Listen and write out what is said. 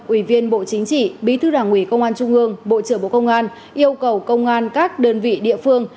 ủy viên bộ chính trị bí thư đảng ủy công an trung ương bộ trưởng bộ công an yêu cầu công an các đơn vị địa phương